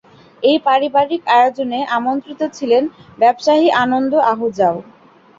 এই পারিবারিক আয়োজনে আমন্ত্রিত ছিলেন ব্যবসায়ী আনন্দ আহুজাও।